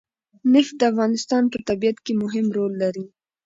نفت د افغانستان په طبیعت کې مهم رول لري.